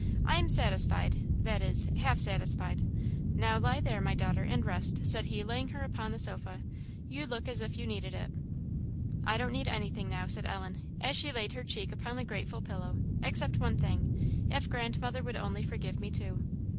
I am satisfied, that is, half satisfied. Now lie there, my little daughter, and rest," said he, laying her upon the sofa; "you look as if you needed it." "I don't need anything now," said Ellen, as she laid her cheek upon the grateful pillow, "except one thing if grandmother would only forgive me too."